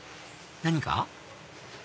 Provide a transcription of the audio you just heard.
何か？